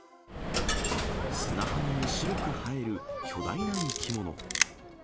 砂浜に白く映える巨大な生き物。